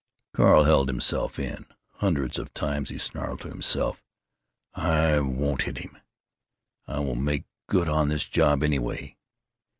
Carl held himself in. Hundreds of times he snarled to himself: "I won't hit him! I will make good on this job, anyway."